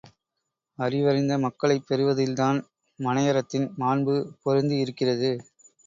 அறிவறிந்த மக்களைப் பெறுவதில்தான், மனையறத்தின் மாண்பு பொருந்தியிருக்கிறது.